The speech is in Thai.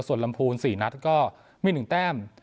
ส่วนลำพูลสี่นัดก็มีหนึ่งแต้ม